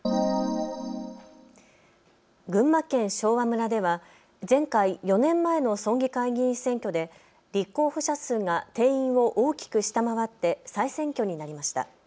群馬県昭和村では前回、４年前の村議会議員選挙で立候補者数が定員を大きく下回って再選挙になりました。